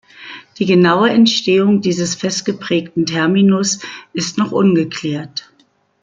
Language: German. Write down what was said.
Die genaue Entstehung dieses fest geprägten Terminus ist noch ungeklärt.